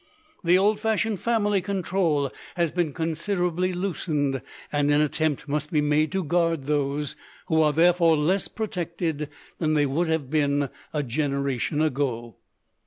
The old fashioned family control has been con siderably loosened, and an attempt must be made to guard those who are therefore less protected than they would have been a generation ago.